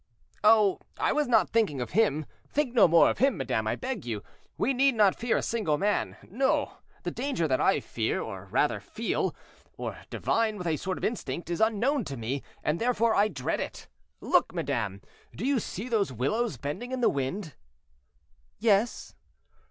"Oh! I was not thinking of him; think no more of him, madame, I beg of you; we need not fear a single man. No, the danger that I fear or rather feel, or divine with a sort of instinct, is unknown to me, and therefore I dread it. Look, madame, do you see those willows bending in the wind?" "Yes."